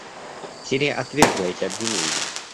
Сирия отвергла эти обвинения.